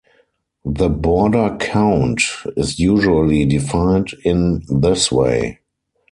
The Borda count is usually defined in this way.